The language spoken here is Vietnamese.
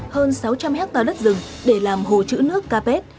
hơn sáu trăm linh hectare đất rừng để làm hồ chữ nước capet